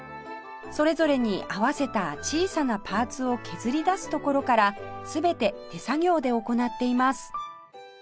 それぞれに合わせた小さなパーツを削り出すところから全て手作業で行っています